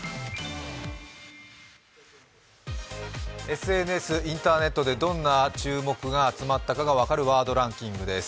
ＳＮＳ、インターネットでどんな注目が集まったかが分かる「ワードランキング」です。